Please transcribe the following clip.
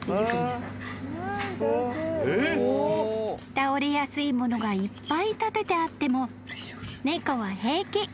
［倒れやすいものがいっぱい立ててあっても猫は平気。